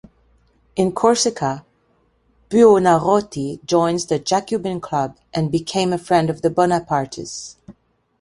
In Corsica, Buonarroti joined the Jacobin Club, and became a friend of the Bonapartes.